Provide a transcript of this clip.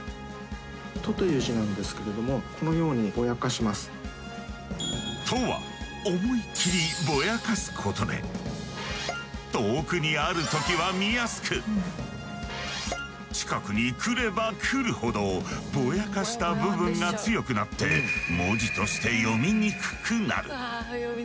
「と」という字なんですけれどもこのように「と」は思いっきりぼやかすことで遠くにあるときは見やすく近くに来れば来るほどぼやかした部分が強くなって文字として読みにくくなる。